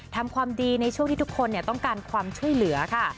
ทำความดีในช่วงที่ทุกคนต้องการความช่วยเหลือค่ะ